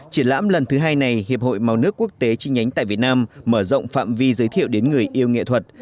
triển lãm lần thứ hai này hiệp hội màu nước quốc tế chi nhánh tại việt nam mở rộng phạm vi giới thiệu đến người yêu nghệ thuật